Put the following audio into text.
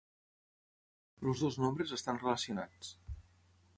Els dos nombres estan relacionats.